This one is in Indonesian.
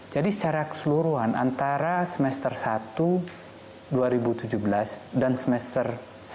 jadi secara keseluruhan antara semester satu dua ribu tujuh belas dan semester satu dua ribu delapan belas